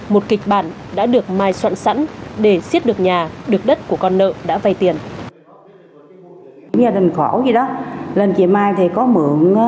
một kịch bản đã được mai soạn sẵn để xiết được nhà được đất của con nợ đã vay tiền